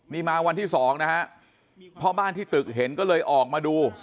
นี่มาวันที่๒นะฮะพ่อบ้านที่ตึกเห็นก็เลยออกมาดู